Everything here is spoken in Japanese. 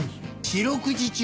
四六時中